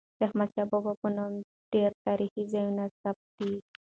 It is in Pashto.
د احمدشاه بابا په نوم ډیري تاریخي ځایونه ثبت دي.